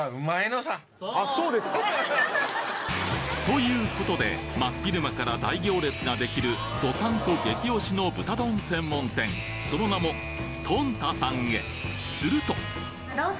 ということで真っ昼間から大行列ができる道産子激押しの豚丼専門店その名もとん田さんへすると！